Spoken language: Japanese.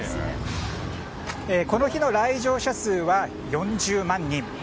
この日の来場者数は４０万人。